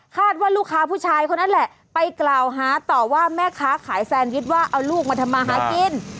ว่าลูกค้าผู้ชายคนนั้นแหละไปกล่าวหาต่อว่าแม่ค้าขายแซนวิชว่าเอาลูกมาทำมาหากิน